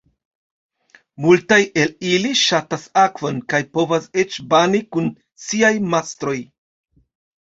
Multaj el ili ŝatas akvon kaj povas eĉ bani kun siaj mastroj.